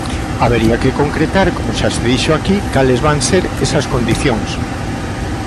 Habería que concretar, como xa se dixo aquí, cales van ser esas condicións.